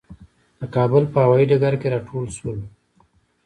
د کابل په هوايي ډګر کې راټول شولو.